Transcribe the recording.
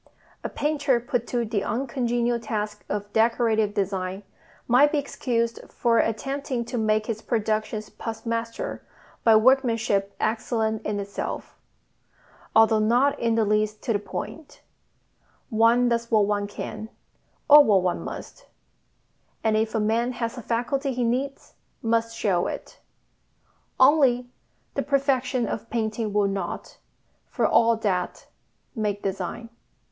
A painter put to the uncongenial task of decorative design might be excused for attempting to make his productions pass muster by workmanship excellent in itself, although not in the least to the point: one does what one can, or what one must; and if a man has a faculty he needs must show it. Only, the perfection of painting will not, for all that, make design.